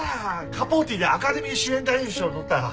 『カポーティ』でアカデミー主演男優賞とった。